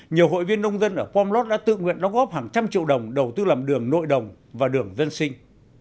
nhiều hội viên nông dân ở pomlot đã tự nguyện đóng góp hàng trăm triệu đồng đầu tư làm đường nội đồng và đường dân sinh